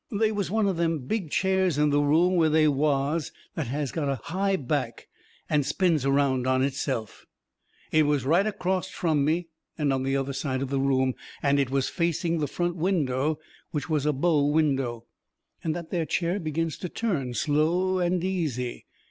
They was one of them big chairs in the room where they was that has got a high back and spins around on itself. It was right acrost from me, on the other side of the room, and it was facing the front window, which was a bow window. And that there chair begins to turn, slow and easy.